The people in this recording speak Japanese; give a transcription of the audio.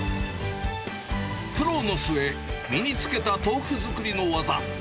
苦労の末、身につけた豆腐作りの技。